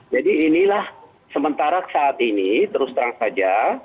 jadi inilah sementara saat ini terus terang saja